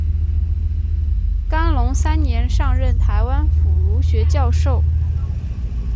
干隆三年上任台湾府儒学教授。